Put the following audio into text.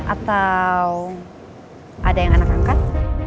atau ada yang anak angkat